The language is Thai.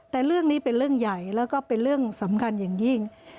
แต่เรื่องนี้เป็นเรื่องใหญ่แล้วก็เป็นเรื่องสำคัญอย่างยิ่ง